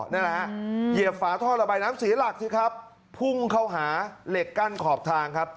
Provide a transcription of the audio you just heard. เหยียบฝาท่อระบายน้ำสีหลักพุ่งเข้าหาเหล็กกั้นขอบทาง